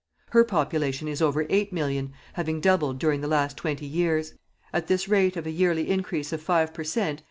Her population is over 8,000,000, having doubled during the last twenty years. At this rate of a yearly increase of five per cent.